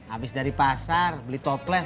habis dari pasar beli toples